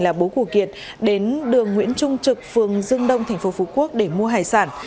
là bố của kiệt đến đường nguyễn trung trực phường dương đông thành phố phú quốc để mua hải sản